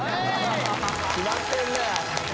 決まってんね